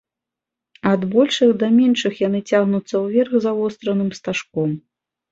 Ад большых да меншых яны цягнуцца ўверх завостраным стажком.